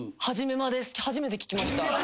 初めて聞きました。